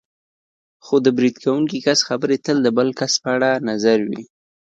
خو د برید کوونکي کس خبرې تل د بل کس په اړه نظر وي.